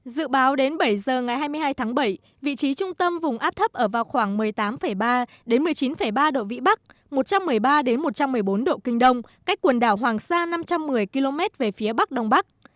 dự báo đến bảy giờ ngày hai mươi hai tháng bảy vị trí trung tâm vùng áp thấp ở vào khoảng một mươi tám ba một mươi chín ba độ vĩ bắc một trăm một mươi ba một trăm một mươi bốn độ kinh đông cách quần đảo hoàng sa năm trăm một mươi km về phía bắc đông bắc